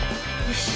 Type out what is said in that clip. よし。